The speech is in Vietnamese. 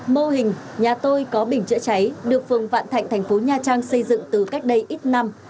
mô hình nhà tôi có bình chữa cháy được phường vạn thạnh thành phố nha trang xây dựng từ cách đây ít năm